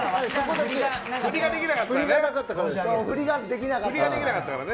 振りができなかったからね。